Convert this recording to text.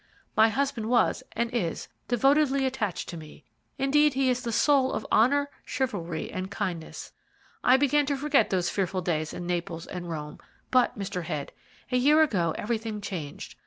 My husband was, and is, devotedly attached to me indeed, he is the soul of honour, chivalry, and kindness. I began to forget those fearful days in Naples and Rome; but, Mr. Head, a year ago everything changed.